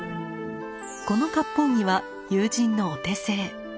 この割烹着は友人のお手製。